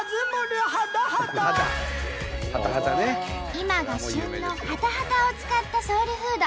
今が旬のはたはたを使ったソウルフード。